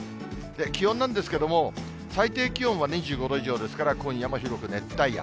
気温なんですけども、最低気温は２５度以上ですから、今夜も広く熱帯夜。